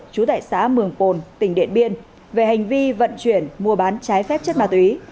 chú tại xã mường pồn tỉnh điện biên về hành vi vận chuyển mua bán trái phép chất ma túy